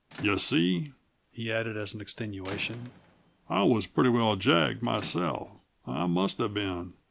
You see," he added as an extenuation, "I was pretty well jagged myself. I musta been.